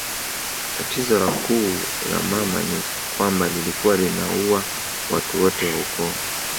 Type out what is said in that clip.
Tatizo la kuu la mma ni kwamba lilikuwa linaua watu wote wa ukoo